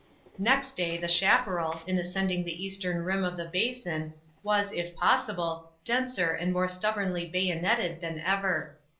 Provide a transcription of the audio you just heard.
Next day the chaparral, in ascending the eastern rim of the basin, was, if possible, denser and more stubbornly bayoneted than ever.